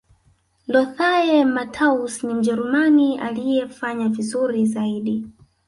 lotthae mattaus ni mjerumani aliyefanya vizuri zaidi